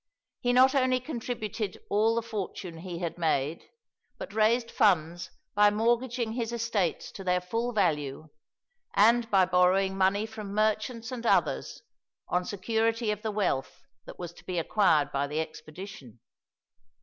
He not only contributed all the fortune he had made, but raised funds by mortgaging his estates to their full value, and by borrowing money from merchants and others, on security of the wealth that was to be acquired by the expedition.